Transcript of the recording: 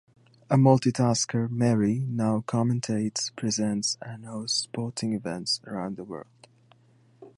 A multi tasker Merry now commentates, presents and hosts sporting events around the world.